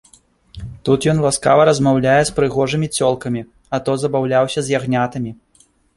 Тут ён ласкава размаўляе з прыгожымі цёлкамі, а то забаўляўся з ягнятамі.